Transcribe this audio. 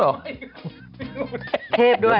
ไอ้เมยงงูเทพ